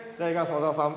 小沢さん。